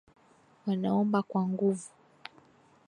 Wanaomba kwa nguvu.